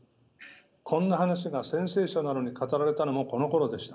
こんな話がセンセーショナルに語られたのもこのころでした。